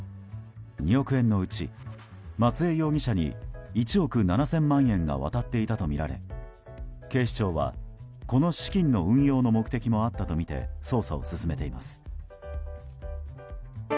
２億円のうち、松江容疑者に１億７０００万円が渡っていたとみられ、警視庁はこの資金の運用の目的もあったとみて捜査を進めています。